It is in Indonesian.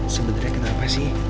sebenernya kenapa sih